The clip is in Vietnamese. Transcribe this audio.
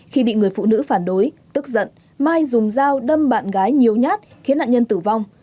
khi bị người phụ nữ phản đối tức giận mai dùng dao đâm bạn gái nhiều nhát khiến nạn nhân tử vong